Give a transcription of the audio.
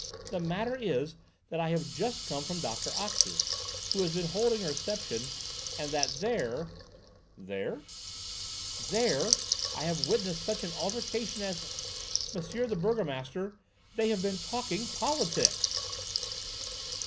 "The matter is that I have just come from Doctor Ox's, who has been holding a reception, and that there—" I have just come from Doctor Ox's "There?" "There I have witnessed such an altercation as—Monsieur the burgomaster, they have been talking politics!"